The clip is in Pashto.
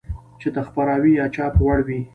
چې د خپراوي يا چاپ وړ وي.